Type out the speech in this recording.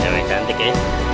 cewek cantik ya